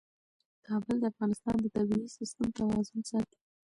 کابل د افغانستان د طبعي سیسټم توازن ساتي.